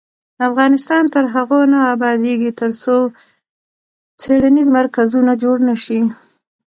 افغانستان تر هغو نه ابادیږي، ترڅو څیړنیز مرکزونه جوړ نشي.